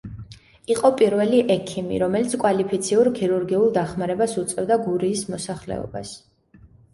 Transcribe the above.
იყო პირველი ექიმი, რომელიც კვალიფიციურ ქირურგიულ დახმარებას უწევდა გურიის მოსახლეობას.